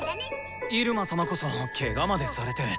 イルマ様こそケガまでされて。